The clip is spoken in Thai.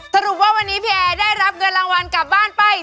สรุปว่าวันนี้พี่แอร์ได้รับเงินรางวัลกลับบ้านไป